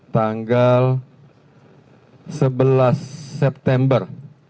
tanggal sebelas september